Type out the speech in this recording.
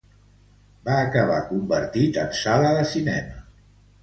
Va acabar convertit en sala de cinema.